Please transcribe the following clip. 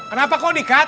kenapa kok di cut